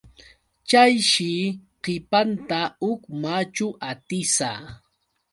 Chayshi qipanta huk machu atisa.